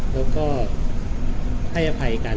แล้วก็ให้อภัยกัน